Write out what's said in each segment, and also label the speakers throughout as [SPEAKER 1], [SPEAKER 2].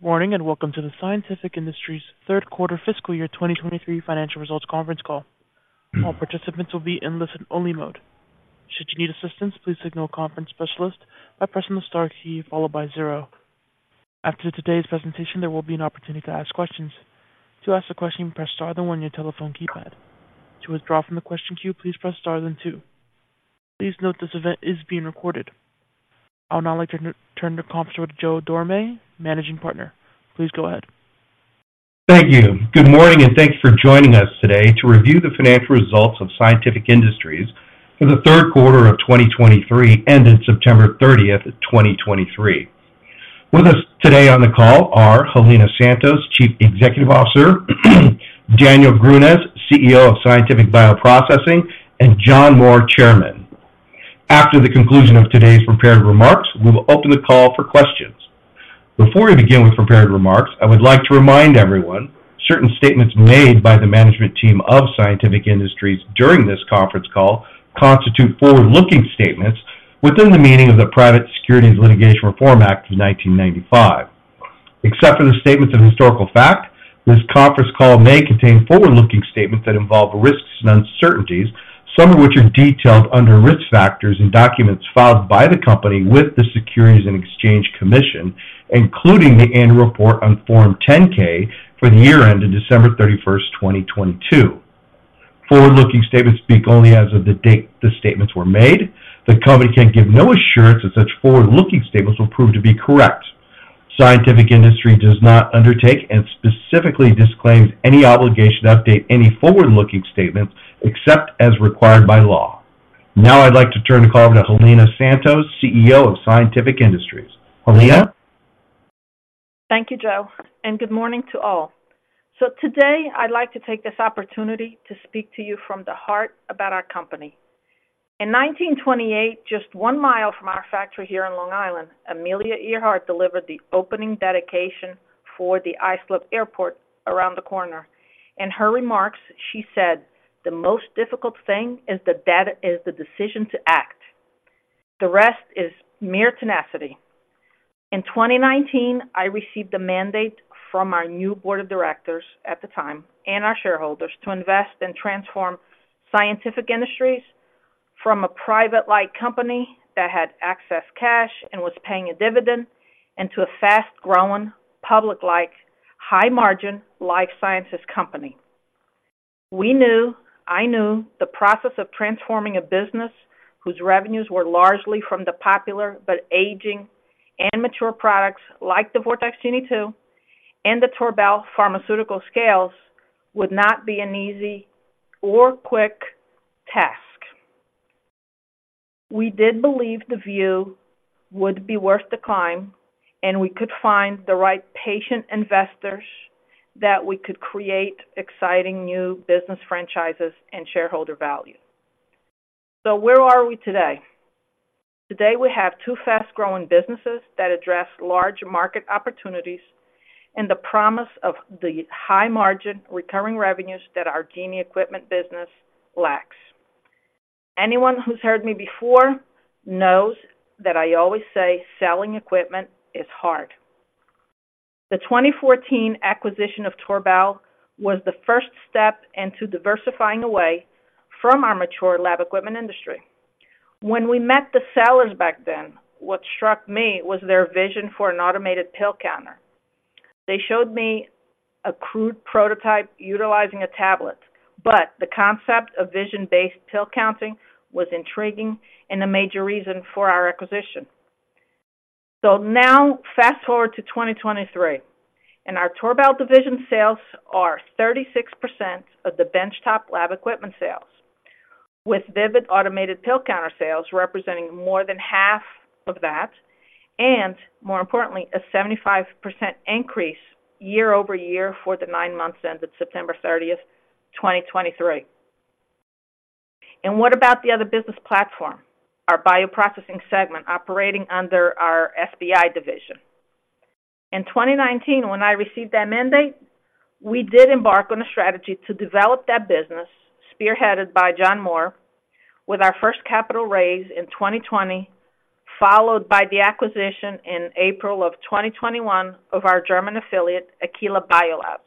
[SPEAKER 1] Good morning, and welcome to the Scientific Industries third quarter fiscal year 2023 financial results conference call. All participants will be in listen-only mode. Should you need assistance, please signal a conference specialist by pressing the star key followed by zero. After today's presentation, there will be an opportunity to ask questions. To ask a question, press star then one on your telephone keypad. To withdraw from the question queue, please press star then two. Please note this event is being recorded. I would now like to turn the conference to Joe Dorame, Managing Partner. Please go ahead.
[SPEAKER 2] Thank you. Good morning, and thanks for joining us today to review the financial results of Scientific Industries for the third quarter of 2023, ending September 30th, 2023. With us today on the call are Helena Santos, Chief Executive Officer, Daniel Grünes, CEO of Scientific Bioprocessing, and John Moore, Chairman. After the conclusion of today's prepared remarks, we'll open the call for questions. Before we begin with prepared remarks, I would like to remind everyone, certain statements made by the management team of Scientific Industries during this conference call constitute forward-looking statements within the meaning of the Private Securities Litigation Reform Act of 1995. Except for the statements of historical fact, this conference call may contain forward-looking statements that involve risks and uncertainties, some of which are detailed under risk factors and documents filed by the company with the Securities and Exchange Commission, including the annual report on Form 10-K for the year end of December 31st, 2022. Forward-looking statements speak only as of the date the statements were made. The company can give no assurance that such forward-looking statements will prove to be correct. Scientific Industries does not undertake and specifically disclaims any obligation to update any forward-looking statements except as required by law. Now I'd like to turn the call over to Helena Santos, CEO of Scientific Industries. Helena?
[SPEAKER 3] Thank you, Joe, and good morning to all. So today, I'd like to take this opportunity to speak to you from the heart about our company. In 1928, just one mile from our factory here in Long Island, Amelia Earhart delivered the opening dedication for the Islip Airport around the corner. In her remarks, she said, "The most difficult thing is the decision to act. The rest is mere tenacity." In 2019, I received a mandate from our new board of directors at the time, and our shareholders, to invest and transform Scientific Industries from a private-like company that had excess cash and was paying a dividend, into a fast-growing, public-like, high-margin, life sciences company. We knew, I knew, the process of transforming a business whose revenues were largely from the popular but aging and mature products like the Vortex-Genie 2 and the Torbal pharmaceutical scales, would not be an easy or quick task. We did believe the view would be worth the climb, and we could find the right patient investors, that we could create exciting new business franchises and shareholder value. So where are we today? Today, we have two fast-growing businesses that address large market opportunities and the promise of the high margin recurring revenues that our Genie equipment business lacks. Anyone who's heard me before knows that I always say: selling equipment is hard. The 2014 acquisition of Torbal was the first step into diversifying away from our mature lab equipment industry. When we met the sellers back then, what struck me was their vision for an automated pill counter. They showed me a crude prototype utilizing a tablet, but the concept of vision-based pill counting was intriguing and a major reason for our acquisition. Now fast-forward to 2023, and our Torbal division sales are 36% of the benchtop lab equipment sales, with VIVID automated pill counter sales representing more than half of that, and more importantly, a 75% increase year-over-year for the nine months ended September 30th, 2023. What about the other business platform, our bioprocessing segment, operating under our SBI division? In 2019, when I received that mandate, we did embark on a strategy to develop that business, spearheaded by John Moore, with our first capital raise in 2020, followed by the acquisition in April of 2021 of our German affiliate, aquila biolabs.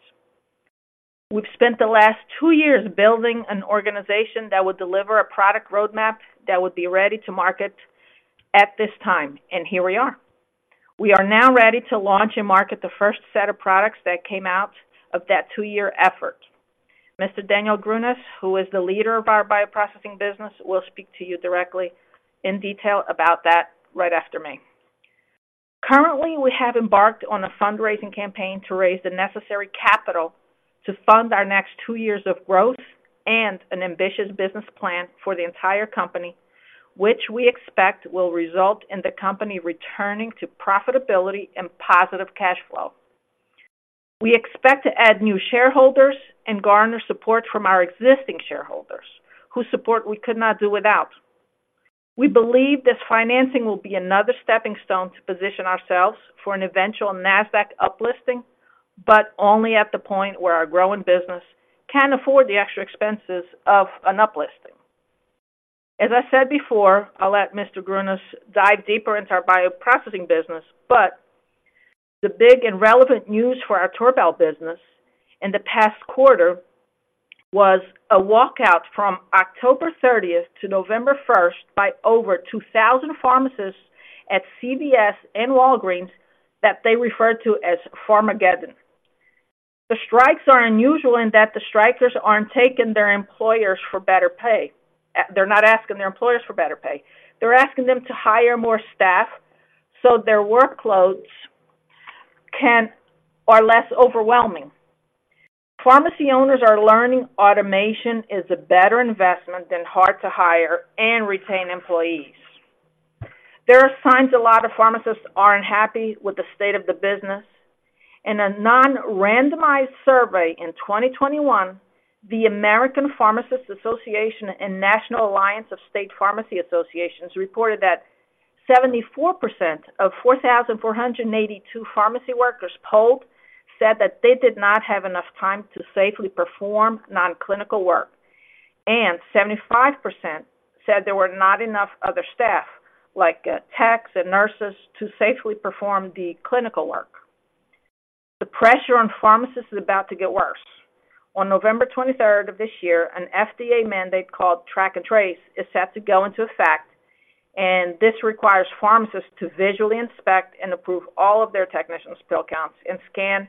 [SPEAKER 3] We've spent the last two years building an organization that would deliver a product roadmap that would be ready to market at this time, and here we are. We are now ready to launch and market the first set of products that came out of that two-year effort. Mr. Daniel Grünes, who is the leader of our bioprocessing business, will speak to you directly in detail about that right after me. Currently, we have embarked on a fundraising campaign to raise the necessary capital to fund our next two years of growth and an ambitious business plan for the entire company, which we expect will result in the company returning to profitability and positive cash flow. We expect to add new shareholders and garner support from our existing shareholders, whose support we could not do without. We believe this financing will be another stepping stone to position ourselves for an eventual NASDAQ uplisting, but only at the point where our growing business can afford the extra expenses of an uplisting. As I said before, I'll let Mr. Grünes dive deeper into our bioprocessing business, but the big and relevant news for our Torbal business in the past quarter was a walkout from October thirtieth to November first by over 2,000 pharmacists at CVS and Walgreens that they referred to as Pharmageddon. The strikes are unusual in that the strikers aren't asking their employers for better pay. They're asking them to hire more staff so their workloads are less overwhelming. Pharmacy owners are learning automation is a better investment than hard to hire and retain employees. There are signs a lot of pharmacists aren't happy with the state of the business. In a non-randomized survey in 2021, the American Pharmacists Association and National Alliance of State Pharmacy Associations reported that 74% of 4,482 pharmacy workers polled said that they did not have enough time to safely perform non-clinical work, and 75% said there were not enough other staff, like techs and nurses, to safely perform the clinical work. The pressure on pharmacists is about to get worse. On November 23rd of this year, an FDA mandate called Track & Trace is set to go into effect, and this requires pharmacists to visually inspect and approve all of their technicians' pill counts and scan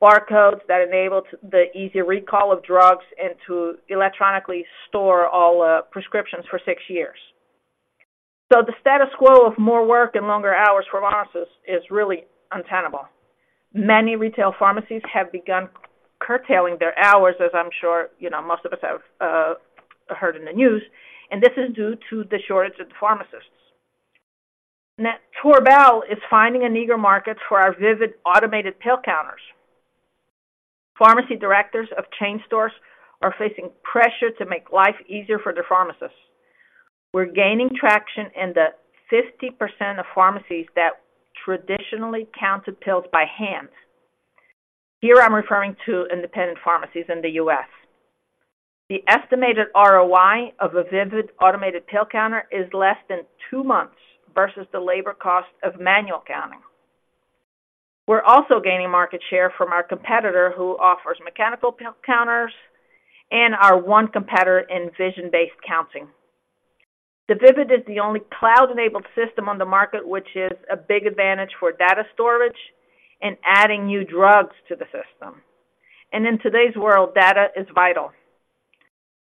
[SPEAKER 3] barcodes that enable the easy recall of drugs and to electronically store all prescriptions for six years. So the status quo of more work and longer hours for pharmacists is really untenable. Many retail pharmacies have begun curtailing their hours, as I'm sure, you know, most of us have heard in the news, and this is due to the shortage of pharmacists. Torbal is finding an eager market for our VIVID automated pill counters. Pharmacy directors of chain stores are facing pressure to make life easier for their pharmacists. We're gaining traction in the 50% of pharmacies that traditionally counted pills by hand. Here I'm referring to independent pharmacies in the U.S. The estimated ROI of a VIVID automated pill counter is less than two months versus the labor cost of manual counting. We're also gaining market share from our competitor, who offers mechanical pill counters and our one competitor in vision-based counting. The VIVID is the only cloud-enabled system on the market, which is a big advantage for data storage and adding new drugs to the system. And in today's world, data is vital.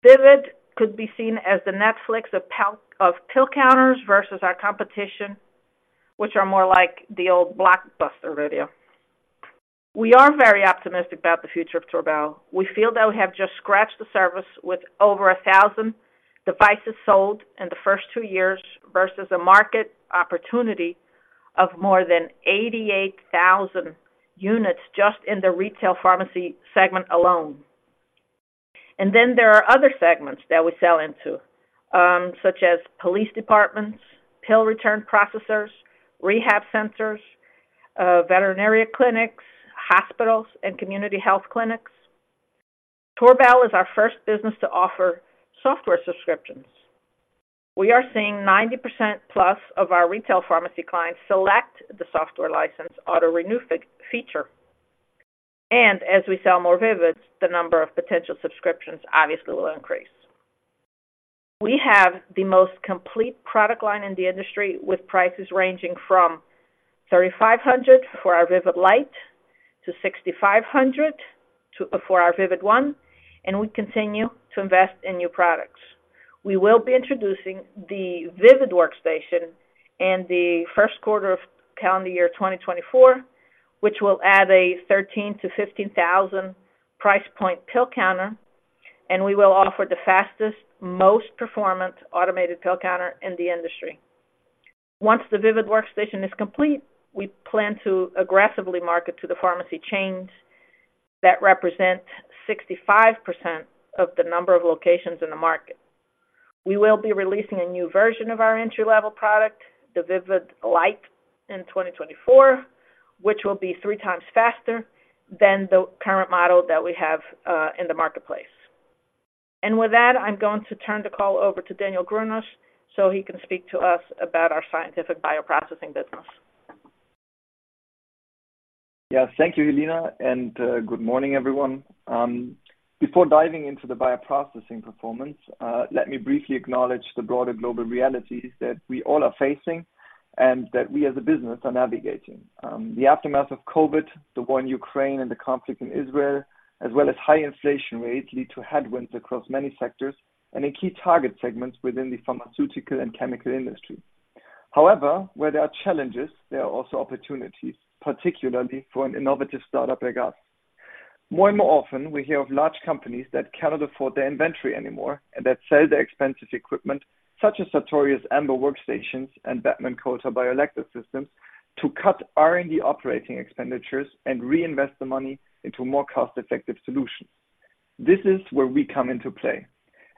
[SPEAKER 3] VIVID could be seen as the Netflix of pill counters versus our competition, which are more like the old Blockbuster Video. We are very optimistic about the future of Torbal. We feel that we have just scratched the surface with over 1,000 devices sold in the first two years, versus a market opportunity of more than 88,000 units just in the retail pharmacy segment alone. Then there are other segments that we sell into, such as police departments, pill return processors, rehab centers, veterinarian clinics, hospitals, and community health clinics. Torbal is our first business to offer software subscriptions. We are seeing 90%+ of our retail pharmacy clients select the software license auto-renew feature, and as we sell more VIVIDs, the number of potential subscriptions obviously will increase. We have the most complete product line in the industry, with prices ranging from $3,500 for our VIVID LITE to $6,500 for our VIVID ONE, and we continue to invest in new products. We will be introducing the VIVID Workstation in the first quarter of calendar year 2024, which will add a $13,000-$15,000 price point pill counter, and we will offer the fastest, most performant automated pill counter in the industry. Once the VIVID Workstation is complete, we plan to aggressively market to the pharmacy chains that represent 65% of the number of locations in the market. We will be releasing a new version of our entry-level product, the VIVID LITE, in 2024, which will be three times faster than the current model that we have in the marketplace. And with that, I'm going to turn the call over to Daniel Grünes, so he can speak to us about our Scientific Bioprocessing business.
[SPEAKER 4] Yes, thank you, Helena, and good morning, everyone. Before diving into the bioprocessing performance, let me briefly acknowledge the broader global realities that we all are facing and that we as a business are navigating. The aftermath of COVID, the war in Ukraine and the conflict in Israel, as well as high inflation rates, lead to headwinds across many sectors and in key target segments within the pharmaceutical and chemical industry. However, where there are challenges, there are also opportunities, particularly for an innovative startup like us. More and more often, we hear of large companies that cannot afford their inventory anymore and that sell their expensive equipment, such as Sartorius Ambr workstations and Beckman Coulter BioLector systems, to cut R&D operating expenditures and reinvest the money into more cost-effective solutions. This is where we come into play.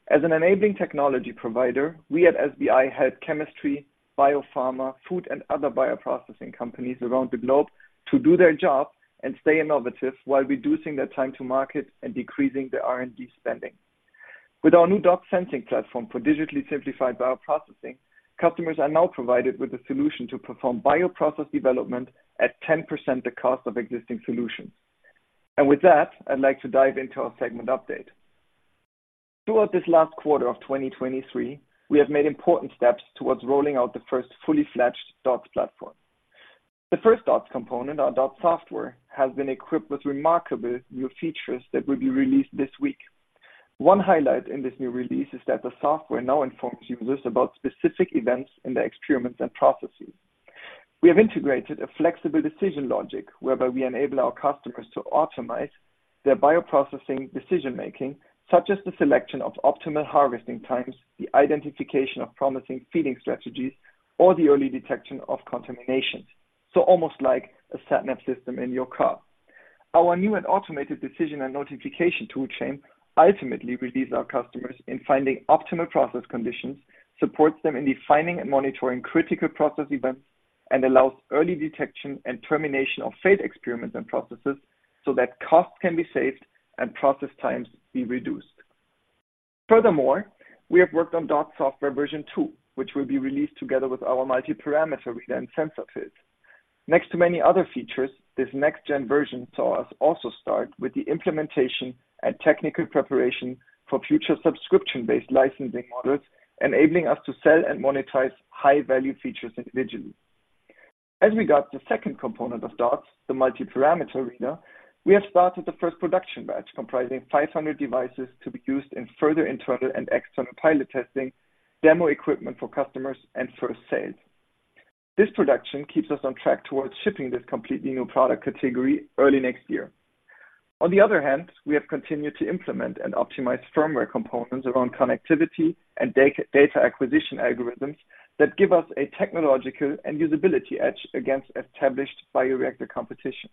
[SPEAKER 4] As an enabling technology provider, we at SBI help chemistry, biopharma, food, and other bioprocessing companies around the globe to do their job and stay innovative while reducing their time to market and decreasing their R&D spending. With our new DOTS sensing platform for digitally simplified bioprocessing, customers are now provided with a solution to perform bioprocess development at 10% the cost of existing solutions. And with that, I'd like to dive into our segment update. Throughout this last quarter of 2023, we have made important steps towards rolling out the first fully fledged DOTS platform. The first DOTS component, our DOTS Software, has been equipped with remarkable new features that will be released this week. One highlight in this new release is that the software now informs users about specific events in their experiments and processes. We have integrated a flexible decision logic, whereby we enable our customers to optimize their bioprocessing decision-making, such as the selection of optimal harvesting times, the identification of promising feeding strategies, or the early detection of contaminations. So almost like a sat nav system in your car. Our new and automated decision and notification tool chain ultimately releases our customers in finding optimal process conditions, supports them in defining and monitoring critical process events, and allows early detection and termination of failed experiments and processes so that costs can be saved and process times be reduced. Furthermore, we have worked on DOTS Software version two, which will be released together with our Multiparameter reader and sensor pills. Next to many other features, this next gen version saw us also start with the implementation and technical preparation for future subscription-based licensing models, enabling us to sell and monetize high-value features individually. As regards the second component of DOTS, the Multiparameter reader, we have started the first production batch, comprising 500 devices to be used in further internal and external pilot testing, demo equipment for customers, and first sales. This production keeps us on track towards shipping this completely new product category early next year. On the other hand, we have continued to implement and optimize firmware components around connectivity and data acquisition algorithms that give us a technological and usability edge against established bioreactor competition.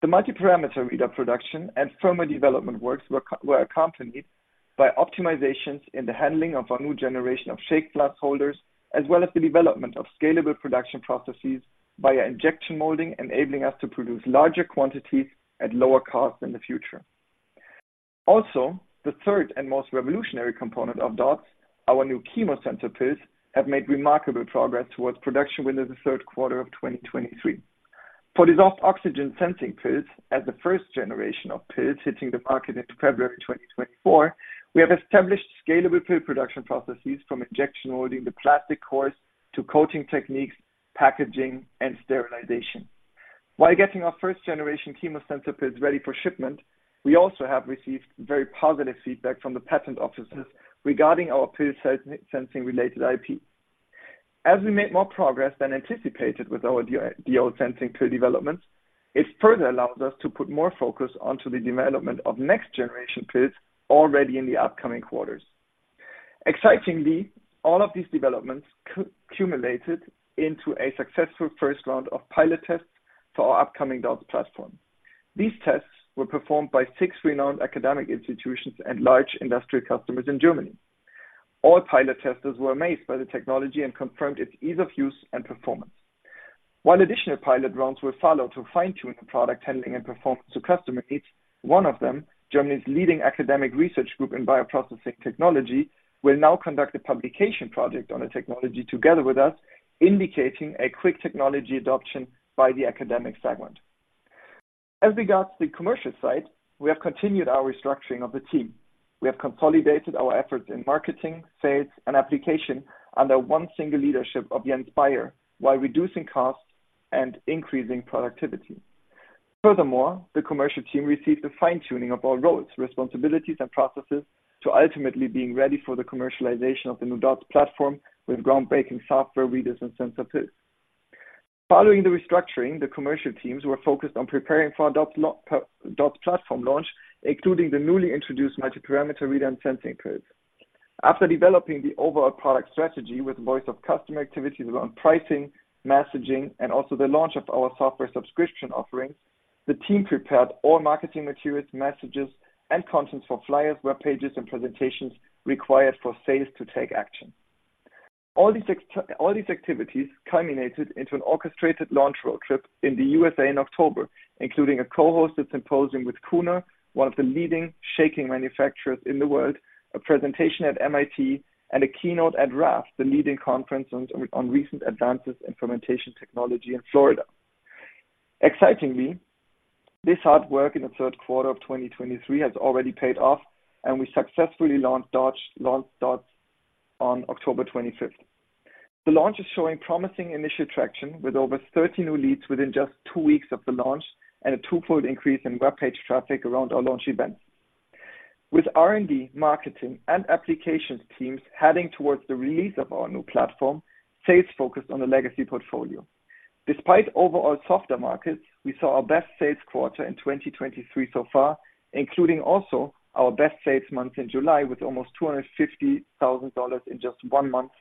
[SPEAKER 4] The multiparameter reader production and firmware development works were accompanied by optimizations in the handling of our new generation of shake flask holders, as well as the development of scalable production processes via injection molding, enabling us to produce larger quantities at lower costs in the future. Also, the third and most revolutionary component of DOTS, our new chemosensor pills, have made remarkable progress towards production within the third quarter of 2023. For dissolved oxygen sensing pills, as the first generation of pills hitting the market in February 2024, we have established scalable pill production processes, from injection molding the plastic cores, to coating techniques, packaging, and sterilization. While getting our first generation chemosensor pills ready for shipment, we also have received very positive feedback from the patent offices regarding our pill sensing-related IP. As we make more progress than anticipated with our DO sensing pill developments, it further allows us to put more focus onto the development of next generation pills already in the upcoming quarters. Excitingly, all of these developments culminated into a successful first round of pilot tests for our upcoming DOTS platform. These tests were performed by six renowned academic institutions and large industrial customers in Germany. All pilot testers were amazed by the technology and confirmed its ease of use and performance. While additional pilot rounds will follow to fine-tune the product handling and performance to customer needs, one of them, Germany's leading academic research group in bioprocessing technology, will now conduct a publication project on the technology together with us, indicating a quick technology adoption by the academic segment. As regards the commercial side, we have continued our restructuring of the team. We have consolidated our efforts in marketing, sales, and application under one single leadership of Jens Bayer, while reducing costs and increasing productivity. Furthermore, the commercial team received a fine-tuning of all roles, responsibilities, and processes to ultimately being ready for the commercialization of the new DOTS Platform with groundbreaking software, readers, and sensor pills. Following the restructuring, the commercial teams were focused on preparing for our DOTS platform launch, including the newly introduced multiparameter reader and sensor pills. After developing the overall product strategy with voice of customer activities around pricing, messaging, and also the launch of our software subscription offerings, the team prepared all marketing materials, messages, and contents for flyers, web pages, and presentations required for sales to take action. All these activities culminated into an orchestrated launch road trip in the U.S.A. in October, including a co-hosted symposium with Kühner, one of the leading shaking manufacturers in the world, a presentation at MIT, and a keynote at RAFT, the leading conference on Recent Advances in Fermentation Technology in Florida. Excitingly, this hard work in the third quarter of 2023 has already paid off, and we successfully launched DOTS, launched DOTS on October 25th. The launch is showing promising initial traction, with over 30 new leads within just two weeks of the launch and a twofold increase in webpage traffic around our launch event. With R&D, marketing, and applications teams heading towards the release of our new platform, sales focused on the legacy portfolio. Despite overall softer markets, we saw our best sales quarter in 2023 so far, including also our best sales month in July, with almost $250,000 in just one month.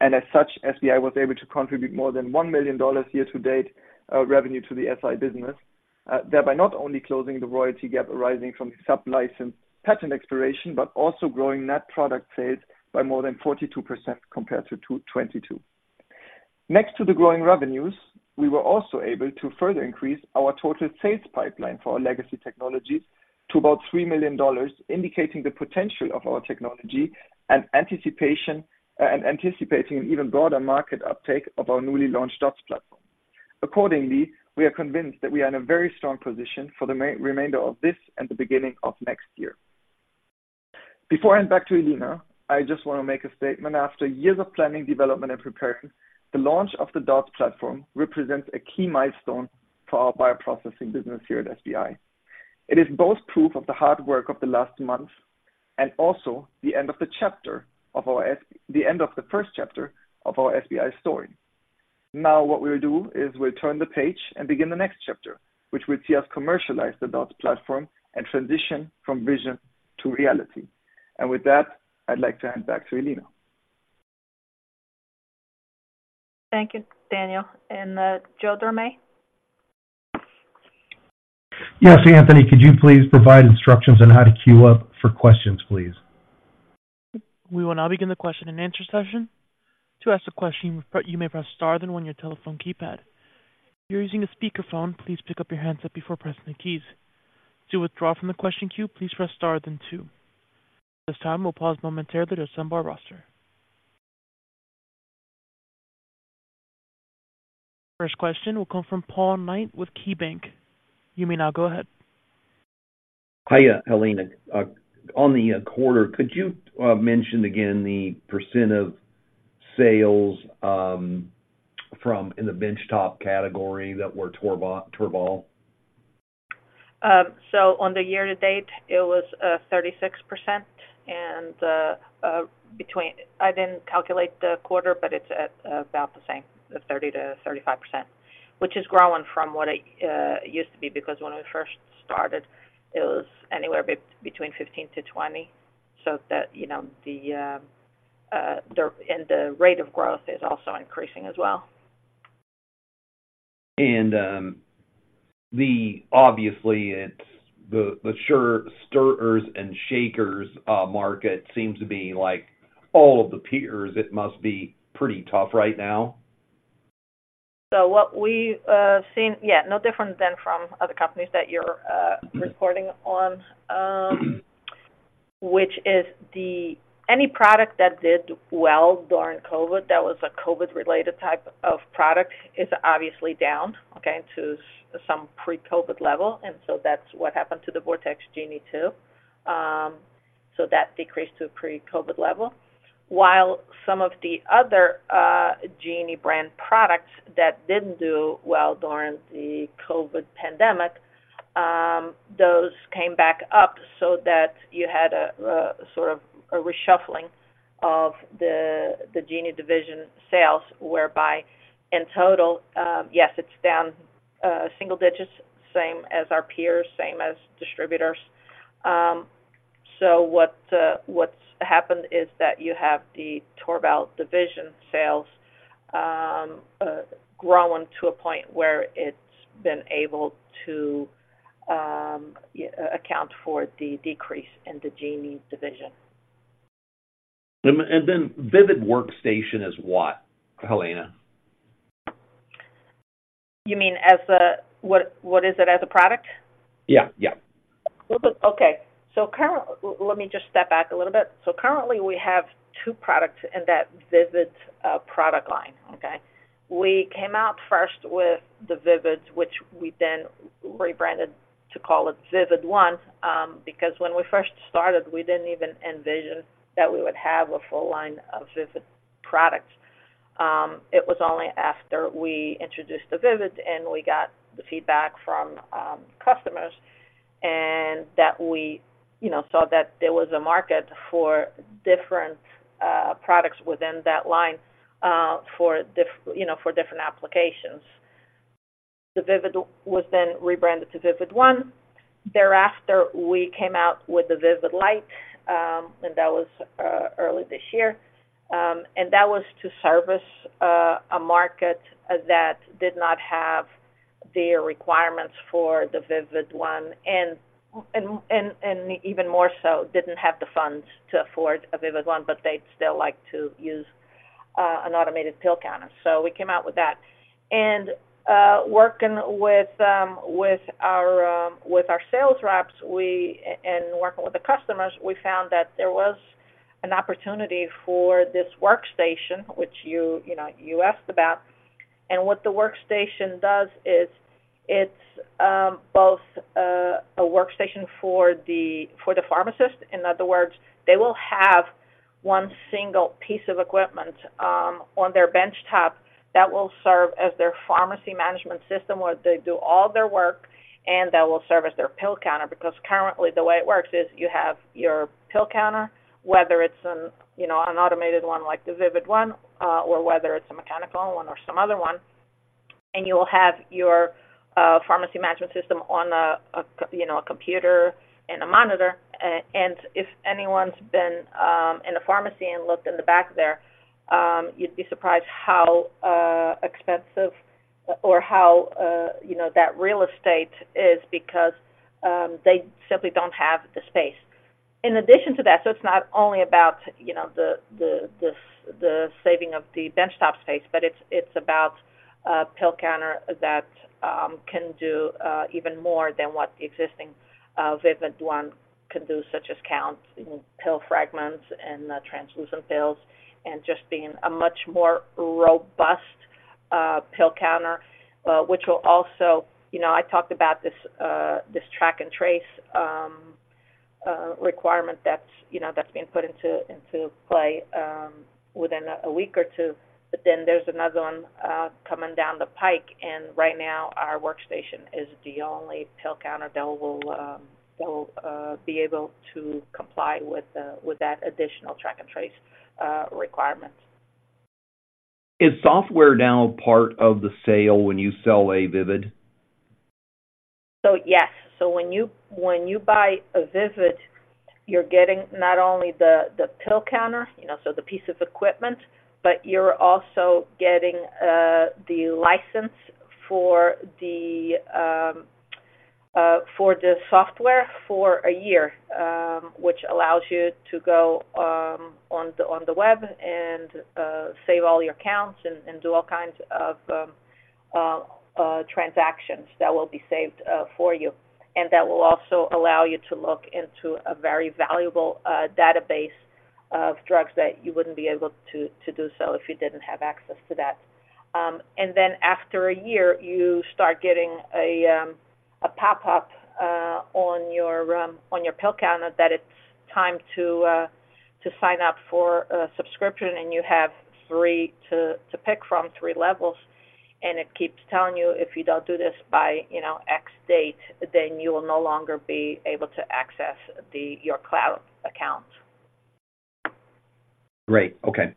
[SPEAKER 4] As such, SBI was able to contribute more than $1 million year to date revenue to the SI business, thereby not only closing the royalty gap arising from the sub-license patent expiration, but also growing net product sales by more than 42% compared to 2022. Next to the growing revenues, we were also able to further increase our total sales pipeline for our legacy technologies to about $3 million, indicating the potential of our technology and anticipation, and anticipating an even broader market uptake of our newly launched DOTS Platform. Accordingly, we are convinced that we are in a very strong position for the remainder of this and the beginning of next year. Before I hand back to Helena, I just want to make a statement. After years of planning, development, and preparation, the launch of the DOTS platform represents a key milestone for our bioprocessing business here at SBI. It is both proof of the hard work of the last month and also the end of the first chapter of our SBI story. Now, what we will do is we'll turn the page and begin the next chapter, which will see us commercialize the DOTS platform and transition from vision to reality. With that, I'd like to hand back to Helena.
[SPEAKER 3] Thank you, Daniel. And, Joe Dorame?
[SPEAKER 2] Yes, Anthony, could you please provide instructions on how to queue up for questions, please?
[SPEAKER 1] We will now begin the question and answer session. To ask a question, you may press star then one on your telephone keypad. If you're using a speakerphone, please pick up your handset before pressing the keys. To withdraw from the question queue, please press star then two. This time, we'll pause momentarily to assemble our roster. First question will come from Paul Knight with KeyBanc. You may now go ahead.
[SPEAKER 5] Hiya, Helena. On the quarter, could you mention again the percent of sales from the benchtop category that were Torbal?
[SPEAKER 3] So on the year to date, it was 36%. And I didn't calculate the quarter, but it's at about the same, 30%-35%, which is growing from what it used to be, because when we first started, it was anywhere between 15%-20%. So that, you know, and the rate of growth is also increasing as well.
[SPEAKER 5] Obviously, it's the shakers and stirrers market seems to be like all of the peers. It must be pretty tough right now.
[SPEAKER 3] So what we've seen, yeah, no different than from other companies that you're reporting on, which is any product that did well during COVID, that was a COVID-related type of product, is obviously down, okay, to some pre-COVID level, and so that's what happened to the Vortex Genie-2. So that decreased to a pre-COVID level. While some of the other Genie brand products that didn't do well during the COVID pandemic, those came back up so that you had a sort of a reshuffling of the Genie division sales, whereby in total, yes, it's down single digits, same as our peers, same as distributors. So what's happened is that you have the Torbal division sales growing to a point where it's been able to account for the decrease in the Genie division.
[SPEAKER 5] And then, VIVID Workstation is what, Helena?
[SPEAKER 3] You mean as a what? What is it as a product?
[SPEAKER 5] Yeah, yeah.
[SPEAKER 3] Well, okay. So currently, let me just step back a little bit. So currently, we have two products in that VIVID product line, okay? We came out first with the VIVID, which we then rebranded to call it VIVID ONE, because when we first started, we didn't even envision that we would have a full line of VIVID products. It was only after we introduced the VIVID and we got the feedback from customers and that we, you know, saw that there was a market for different products within that line, you know, for different applications. The VIVID was then rebranded to VIVID ONE. Thereafter, we came out with the VIVID LITE, and that was early this year. And that was to service a market that did not have the requirements for the VIVID ONE and even more so, didn't have the funds to afford a VIVID ONE, but they'd still like to use an automated pill counter. So we came out with that. And working with our sales reps and working with the customers, we found that there was an opportunity for this VIVID Workstation, which you know you asked about. And what the VIVID Workstation does is it's both a workstation for the pharmacist. In other words, they will have one single piece of equipment on their benchtop that will serve as their pharmacy management system, where they do all their work, and that will serve as their pill counter. Because currently, the way it works is you have your pill counter, whether it's, you know, an automated one like the VIVID ONE or whether it's a mechanical one or some other one, and you will have your pharmacy management system on a, you know, a computer and a monitor. And if anyone's been in a pharmacy and looked in the back there, you'd be surprised how expensive or how, you know, that real estate is because they simply don't have the space. In addition to that, so it's not only about, you know, the saving of the benchtop space, but it's about a pill counter that can do even more than what the existing VIVID ONE can do, such as count pill fragments and translucent pills, and just being a much more robust pill counter. Which will also, you know, I talked about this Track and Trace requirement that's, you know, that's being put into play within a week or two. But then there's another one coming down the pike, and right now, our workstation is the only pill counter that will, that will, be able to comply with, with that additional Track & Trace requirement.
[SPEAKER 5] Is software now part of the sale when you sell a VIVID?
[SPEAKER 3] So, yes. So when you buy a VIVID, you're getting not only the pill counter, you know, so the piece of equipment, but you're also getting the license for the software for a year, which allows you to go on the web and save all your accounts and do all kinds of transactions that will be saved for you. And that will also allow you to look into a very valuable database of drugs that you wouldn't be able to do so if you didn't have access to that. And then after a year, you start getting a pop-up on your pill counter that it's time to sign up for a subscription, and you have three to pick from, three levels. It keeps telling you, if you don't do this by, you know, X date, then you will no longer be able to access the your cloud account.
[SPEAKER 5] Great. Okay.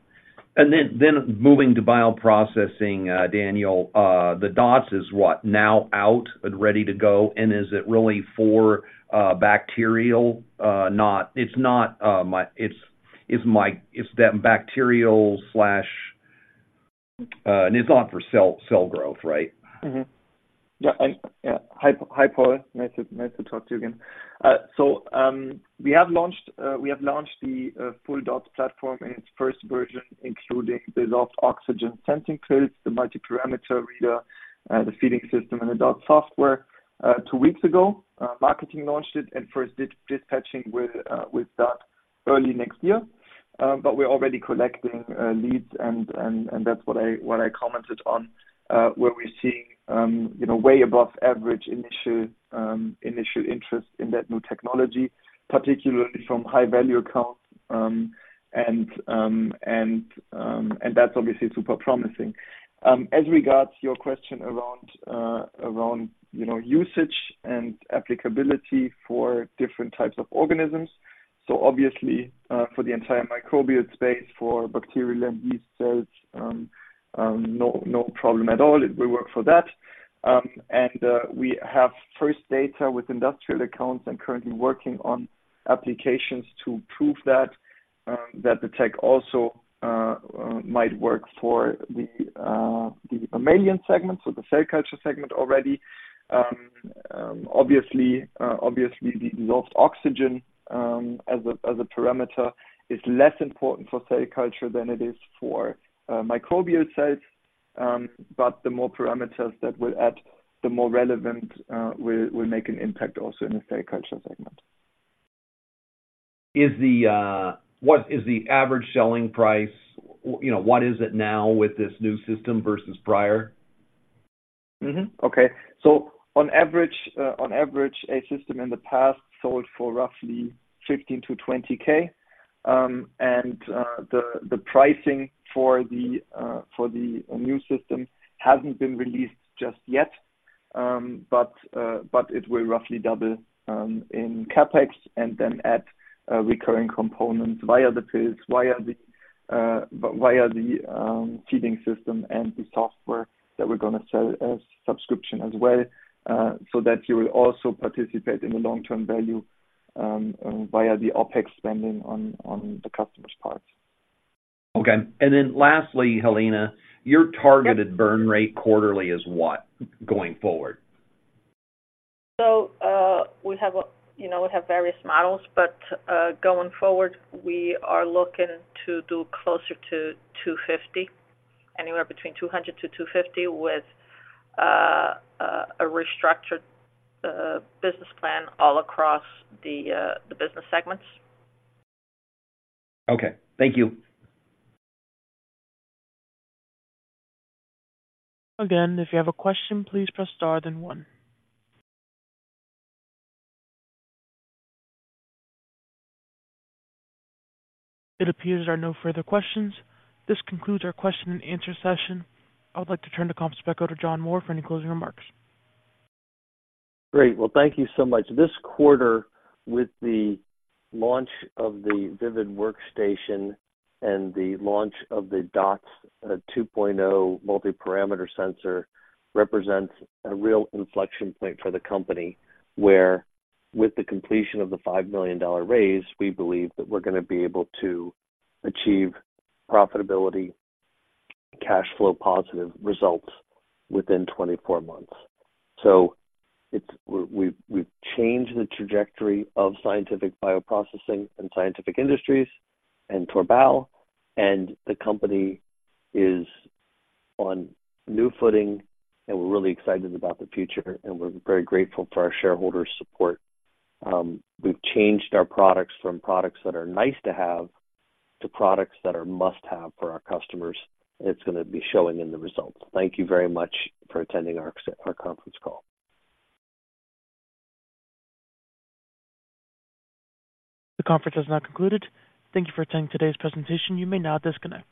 [SPEAKER 5] And then moving to bioprocessing, Daniel, the DOTS is what? Now out and ready to go, and is it really for bacterial? Not— It's not, it's that bacterial slash, and it's not for cell growth, right?
[SPEAKER 4] Mm-hmm. Yeah, and, yeah. Hi, Paul. Nice to talk to you again. We have launched the full DOTS platform in its first version, including the dissolved oxygen sensing pills, the multiparameter reader, the feeding system, and the DOTS Software two weeks ago. Marketing launched it, and first dispatching will start early next year. But we're already collecting leads and that's what I commented on, where we're seeing, you know, way above average initial interest in that new technology, particularly from high-value accounts. And that's obviously super promising. As regards to your question around, you know, usage and applicability for different types of organisms. So obviously, for the entire microbial space, for bacteria and yeast cells, no problem at all. It will work for that. We have first data with industrial accounts and currently working on applications to prove that the tech also might work for the mammalian segment, so the cell culture segment already. Obviously, the dissolved oxygen, as a parameter, is less important for cell culture than it is for microbial cells. But the more parameters that we add, the more relevant will make an impact also in the cell culture segment.
[SPEAKER 5] Is the... What is the average selling price? You know, what is it now with this new system versus prior?
[SPEAKER 4] Okay. So on average, on average, a system in the past sold for roughly $15K-$20K. And the pricing for the new system hasn't been released just yet, but it will roughly double in CapEx and then add recurring components via the pills, via the feeding system and the software that we're gonna sell as subscription as well, so that you will also participate in the long-term value via the OpEx spending on the customer's part.
[SPEAKER 5] Okay. Lastly, Helena, your targeted burn rate quarterly is what, going forward?
[SPEAKER 3] So, we have, you know, we have various models, but, going forward, we are looking to do closer to 250. Anywhere between 200-250, with a restructured business plan all across the business segments.
[SPEAKER 5] Okay, thank you.
[SPEAKER 1] Again, if you have a question, please press Star, then one. It appears there are no further questions. This concludes our question and answer session. I would like to turn the conference back over to John Moore for any closing remarks.
[SPEAKER 6] Great, well, thank you so much. This quarter, with the launch of the VIVID Workstation and the launch of the DOTS 2.0 multiparameter sensor, represents a real inflection point for the company, where with the completion of the $5 million raise, we believe that we're gonna be able to achieve profitability, cash flow positive results within 24 months. So it's—we've, we've changed the trajectory of Scientific Bioprocessing and Scientific Industries and Torbal, and the company is on new footing, and we're really excited about the future, and we're very grateful for our shareholders' support. We've changed our products from products that are nice to have, to products that are must-have for our customers. It's gonna be showing in the results. Thank you very much for attending our con, our conference call.
[SPEAKER 1] The conference has now concluded. Thank you for attending today's presentation. You may now disconnect.